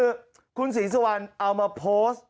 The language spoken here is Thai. ระหว่างคุณสีศุวรรณหรือพระมหาไพรวรรณ